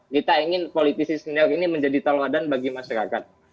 kita ingin politisi senior ini menjadi talawadan bagi masyarakat